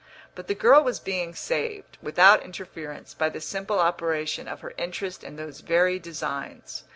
But the girl was being saved, without interference, by the simple operation of her interest in those very designs.